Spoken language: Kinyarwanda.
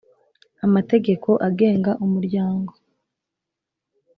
amategeko agenga umuryango